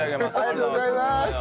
ありがとうございます！